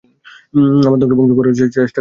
আমার বংশ ধ্বংস করার চেষ্টা করেছিলি।